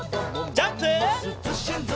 ジャンプ！